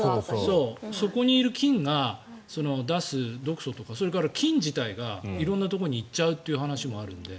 そこにいる菌が出す毒素とかそれから菌自体が色んなところに行っちゃうという話もあるので。